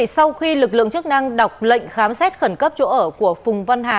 sau khi lực lượng chức năng đọc lệnh khám xét khẩn cấp chỗ ở của phùng văn hà